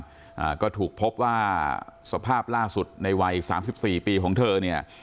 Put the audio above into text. อ่าก็ถูกพบว่าสภาพล่าสุดในวัยสามสิบสี่ปีของเธอเนี่ย